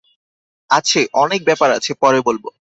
আছে, অনেক ব্যাপার আছে, পরে বলব।